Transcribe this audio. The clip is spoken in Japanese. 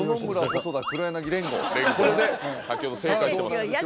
これは連合先ほど正解してます